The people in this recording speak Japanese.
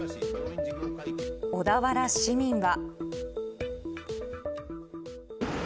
小田原市民は。